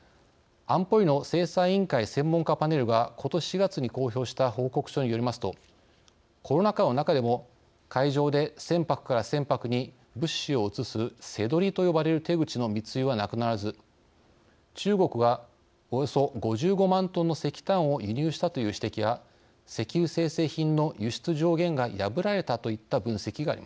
安保理の制裁委員会専門家パネルがことし４月に公表した報告書によりますとコロナ禍の中でも海上で船舶から船舶に物資を移す瀬取りと呼ばれる手口の密輸はなくならず中国がおよそ５５万トンの石炭を輸入したという指摘や石油精製品の輸出上限が破られたといった分析があります。